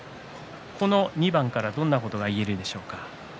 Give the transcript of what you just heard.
この２番からどんなことが言えるでしょうか？